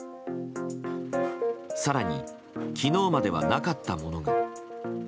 更に昨日まではなかったものが。